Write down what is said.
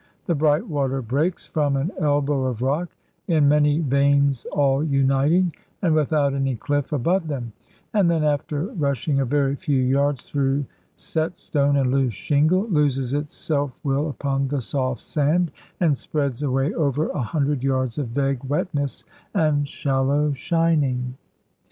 The bright water breaks from an elbow of rock, in many veins all uniting, and without any cliff above them; and then, after rushing a very few yards through set stone and loose shingle, loses its self will upon the soft sand, and spreads a way over a hundred yards of vague wetness and shallow shining.